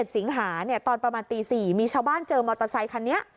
สิงหาตอนประมาณตี๔มีชาวบ้านเจอมอเตอร์ไซคันนี้